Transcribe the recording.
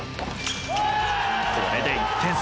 これで１点差。